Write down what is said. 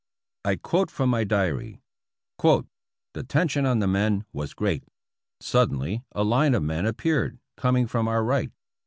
I quote from my diary: "The tension on the men was great. Suddenly a line of men appeared coming from our right.